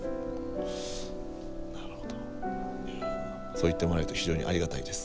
そう言ってもらえると非常にありがたいです。